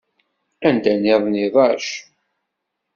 Anda-nniḍen iḍac.